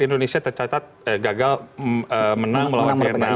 indonesia tercatat gagal menang melawan vietnam